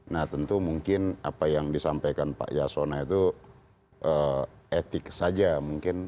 nah tentu mungkin apa yang disampaikan pak yasona itu etik saja mungkin